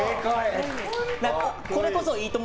これこそ「いいとも！」